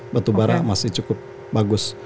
batubara masih cukup bagus